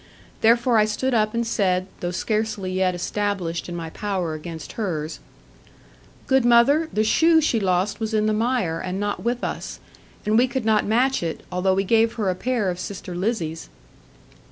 Therefore I stood up and said, though scarcely yet established in my power against hers, 'Good mother, the shoe she lost was in the mire, and not with us. And we could not match it, although we gave her a pair of sister Lizzie's.'